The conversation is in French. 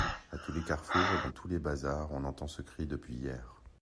À tous les carrefours, dans tous les bazars, on entend ce cri depuis hier.